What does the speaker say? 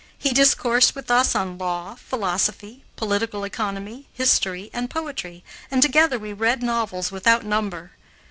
He discoursed with us on law, philosophy, political economy, history, and poetry, and together we read novels without number.